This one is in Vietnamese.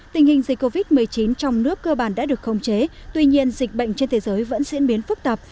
tình hình dịch covid một mươi chín trong nước cơ bản đã được khống chế tuy nhiên dịch bệnh trên thế giới vẫn diễn biến phức tạp